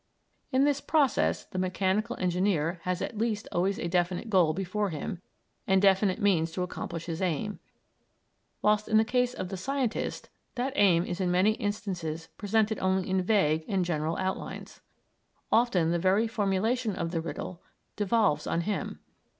In this process the mechanical engineer has at least always a definite goal before him and definite means to accomplish his aim, whilst in the case of the scientist that aim is in many instances presented only in vague and general outlines. Often the very formulation of the riddle devolves on him.